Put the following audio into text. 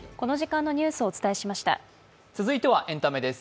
続いてはエンタメです。